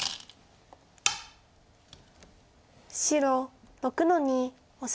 白６の二オサエ。